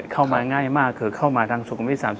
เข้ามาง่ายมากคือเข้ามาทางสุขุมวิท๓๐